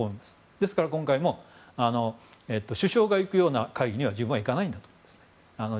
ですから、今回も首相が行くような会議には自分は行かないんだと。